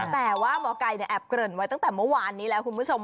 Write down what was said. แต่ว่าหมอไก่แอบเกริ่นไว้ตั้งแต่เมื่อวานนี้แล้วคุณผู้ชม